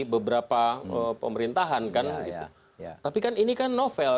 beberapa pemerintahan kan gitu tapi kan ini kan novel